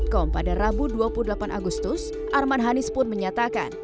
di tanggal delapan agustus arman hanis pun menyatakan